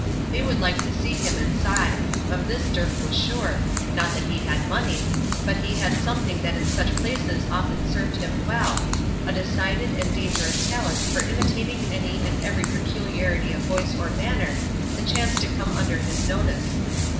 They would like to see him inside. Of this Dirk was sure; not that he had money, but he had something that in such places often served him well, a decided and dangerous talent for imitating any and every peculiarity of voice or manner that had chanced to come under his notice.